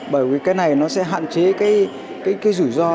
bởi vì cái này nó sẽ hạn chế cái rủi ro